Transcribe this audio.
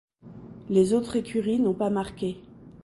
Les autres écuries n'ont pas marqué.